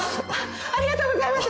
ありがとうございます！